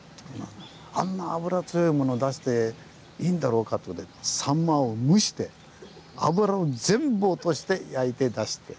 あんな脂強いもの出していいんだろうかって事でさんまを蒸して脂を全部落として焼いて出して。